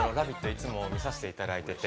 いつも見させていただいてて。